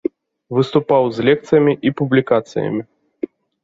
Выступаў з лекцыямі і публікацыямі.